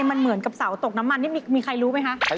มันเหมือนกับเสาตกน้ำมันนี่มีใครรู้ไหมคะ